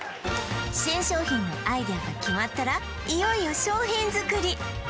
新商品のアイデアが決まったらいよいよ商品作り！